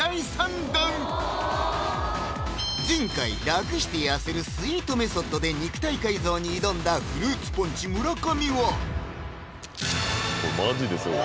前回楽して痩せるスイートメソッドで肉体改造に挑んだ「フルーツポンチ」・村上はおぉ！